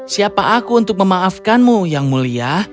siapa aku untuk memaafkanmu yang mulia